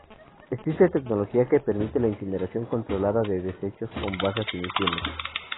Existe tecnología que permite la incineración controlada de desechos con bajas emisiones.